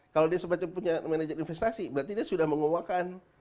kalau dia semacam punya manajer investasi berarti dia sudah menguakan